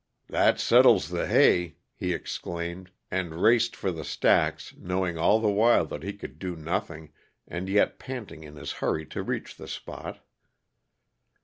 "That settles the hay," he exclaimed, and raced for the stacks knowing all the while that he could do nothing, and yet panting in his hurry to reach the spot.